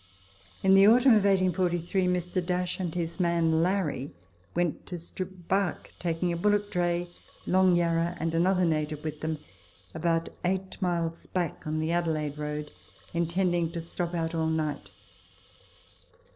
In the autumn of 1843 Mr. and his man Larry went to strip bark, taking a bullock dray, Long Yarra and another native with them, about eight miles back on the Adelaide road, intending to stop out all night.